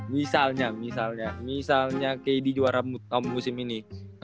misalnya misalnya kd juara musim ini